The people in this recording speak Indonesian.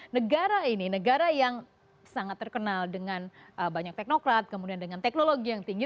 negara ini negara yang sangat terkenal dengan banyak teknokrat kemudian dengan teknologi yang tinggi